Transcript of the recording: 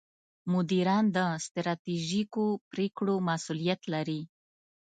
مدیران د ستراتیژیکو پرېکړو مسوولیت لري.